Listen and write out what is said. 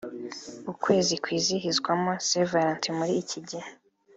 ukwezi kwizihizwamo st valentin muri iki gihe